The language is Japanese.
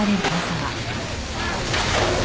はい。